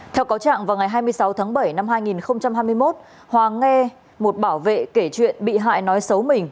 theo cáo trạng vào ngày hai mươi sáu tháng bảy năm hai nghìn hai mươi một hòa nghe một bảo vệ kể chuyện bị hại nói xấu mình